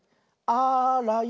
あらよ。